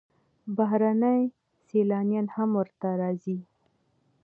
بهرني سیلانیان هم ورته راځي.